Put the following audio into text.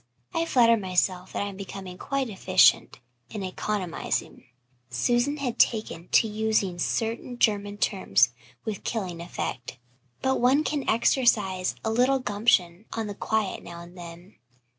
I flatter myself that I am becoming quite efficient in economizing" Susan had taken to using certain German terms with killing effect "but one can exercise a little gumption on the quiet now and then.